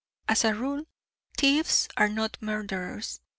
As a rule, thieves are not murderers.